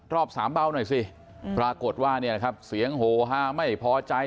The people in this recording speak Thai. รอบสามเบาหน่อยสิปรากฏว่าเนี่ยนะครับเสียงโหฮาไม่พอใจ